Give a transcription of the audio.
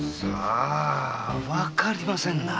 わかりませんな。